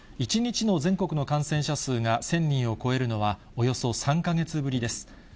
１日の全国の感染者数が１０００人を超えるのは、およそ３か月ぶりです。